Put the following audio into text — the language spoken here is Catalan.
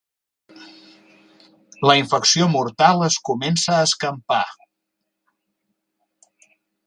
La infecció mortal es comença a escampar.